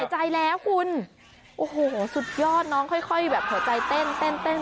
ใจแล้วคุณโอ้โหสุดยอดน้องค่อยแบบหัวใจเต้นเต้น